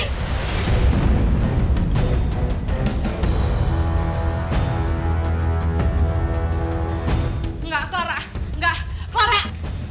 enggak farah enggak farah